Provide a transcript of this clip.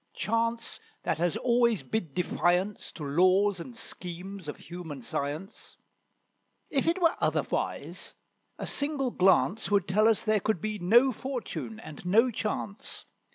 Chance that has always bid defiance To laws and schemes of human science. If it were otherwise, a single glance Would tell us there could be no fortune and no chance.